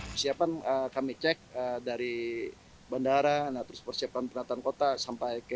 persiapan kami cek dari bandara persiapan perlataan kota sampai ke kota